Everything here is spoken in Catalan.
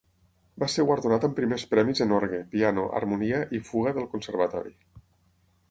Va ser guardonat amb primers premis en orgue, piano, harmonia i fuga del conservatori.